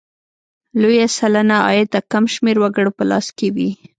لویه سلنه عاید د کم شمېر وګړو په لاس کې وي.